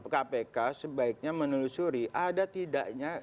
kpk sebaiknya menelusuri ada tidaknya